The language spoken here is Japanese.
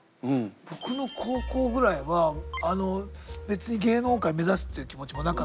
僕の高校ぐらいは別に芸能界目指すっていう気持ちもなかった。